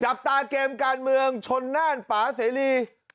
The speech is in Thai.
จับตาเกมการเมืองชนน่านป่าเสรี